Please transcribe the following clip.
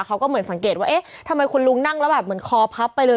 เขาก็เหมือนสังเกตว่าเอ๊ะทำไมคุณลุงนั่งแล้วแบบเหมือนคอพับไปเลย